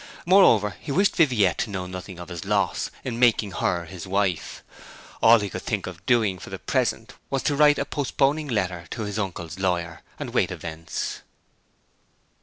Moreover he wished Viviette to know nothing of his loss in making her his wife. All he could think of doing for the present was to write a postponing letter to his uncle's lawyer, and wait events.